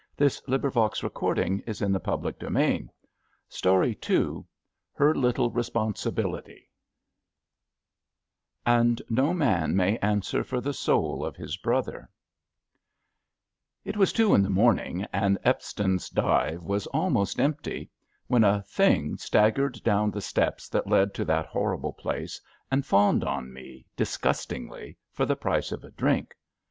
That was the way the old man saved the Whcmghoa/^ HER LITTLE EESPONSIBILITY AND NO MAN MAY ANSWER FOB THE SOUL OF HIS BBOTHEB TT was two in the morning, and Epstin's Dive ^ was almost empty, when a Thing staggered down the steps that led to that horrible place and fawned on me disgustingly for the price of a drink.